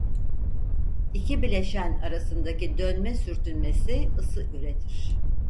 İki bileşen arasındaki dönme sürtünmesi ısı üretir.